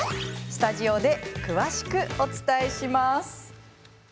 スタジオで詳しくお伝えします。